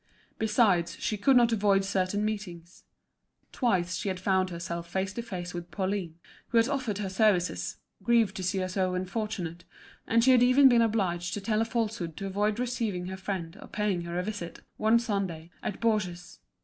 Besides, she could not avoid certain meetings. Twice she had found herself face to face with Pauline, who had offered her services, grieved to see her so unfortunate; and she had even been obliged to tell a falsehood to avoid receiving her friend or paying her a visit, one Sunday, at Baugé's.